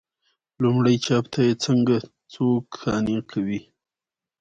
لومړي چاپ ته یې څنګه څوک قانع کوي.